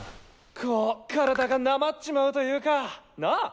こう体がなまっちまうと言うかなぁ？